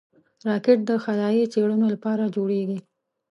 راکټ د خلایي څېړنو لپاره جوړېږي